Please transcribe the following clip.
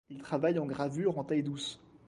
Il travaille en gravure en taille douce.